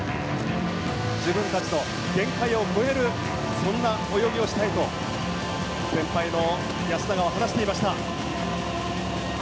自分たちの限界を超えるそんな泳ぎをしたいと先輩の安永は話していました。